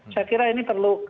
saya kira ini perlu